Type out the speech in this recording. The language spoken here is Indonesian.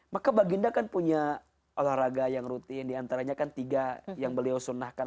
maka baginda kan punya olahraga yang rutin diantaranya kan tiga yang beliau sunnahkan